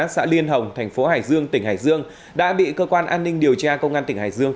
xã liên hồng thành phố hải dương tỉnh hải dương đã bị cơ quan an ninh điều tra công an tỉnh hải dương